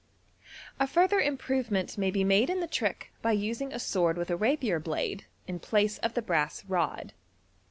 A further improvement may be made in the trick by using a sword with a rapier blade in place of the brass rod.